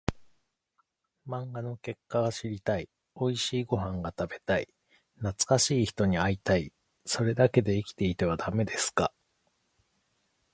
漫画の結末が知りたい、おいしいご飯が食べたい、懐かしい人に会いたい、それだけで生きていてはダメですか？